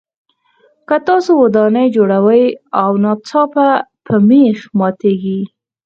که تاسو ودانۍ جوړوئ او ناڅاپه مېخ ماتیږي.